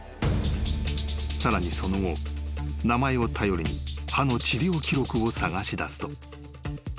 ［さらにその後名前を頼りに歯の治療記録を探し出すと］